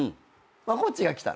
まこっちが来た。